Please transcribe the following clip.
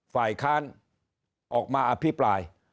ฝ่ายค้านออกมาอภิปราย